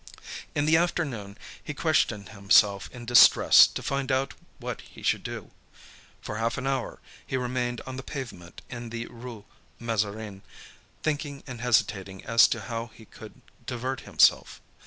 In the afternoon, he questioned himself in distress to find out what he should do. For half an hour, he remained on the pavement in the Rue Mazarine, thinking and hesitating as to how he could divert himself.